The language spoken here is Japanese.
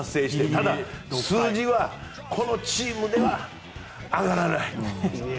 ただ、数字はこのチームでは上がらない。